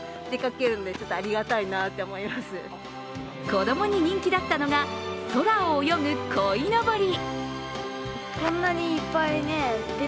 子供に人気だったのが空を泳ぐこいのぼり。